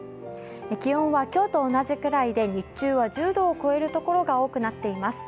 気温は今日と同じくらいで日中は１０度を超える所が多くなっています。